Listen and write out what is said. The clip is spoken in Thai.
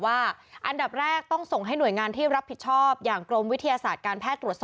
อันดับแรกต้องส่งให้หน่วยงานที่รับผิดชอบอย่างกรมวิทยาศาสตร์การแพทย์ตรวจสอบ